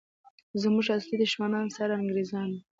زموږ اصلي دښمنان سره انګریزان دي!